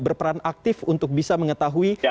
berperan aktif untuk bisa mengetahui